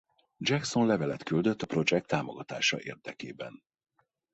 Jackson levelet küldött a projekt támogatása érdekében.